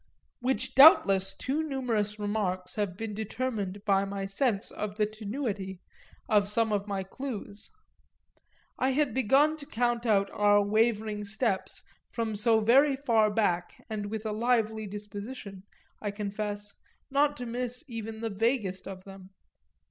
Which doubtless too numerous remarks have been determined by my sense of the tenuity of some of my clues: I had begun to count our wavering steps from so very far back, and with a lively disposition, I confess, not to miss even the vaguest of them.